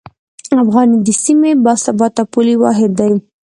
افغانۍ د سیمې باثباته پولي واحد و.